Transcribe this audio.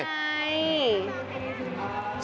อันนี้ไง